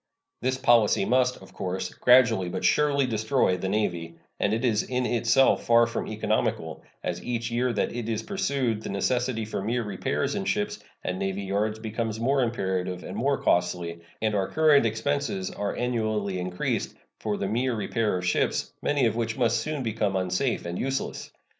This policy must, of course, gradually but surely destroy the Navy, and it is in itself far from economical, as each year that it is pursued the necessity for mere repairs in ships and navy yards becomes more imperative and more costly, and our current expenses are annually increased for the mere repair of ships, many of which must soon become unsafe and useless.